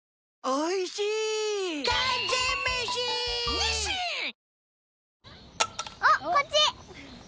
おっこっち！